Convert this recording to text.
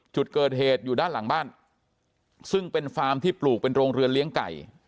จุดเกิดเหตุอยู่ด้านหลังบ้านซึ่งเป็นฟาร์มที่ปลูกเป็นโรงเรือนเลี้ยงไก่